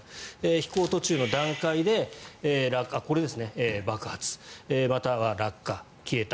飛行途中の段階で爆発または落下、消えた。